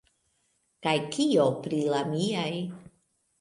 Kaj kio pri la miaj?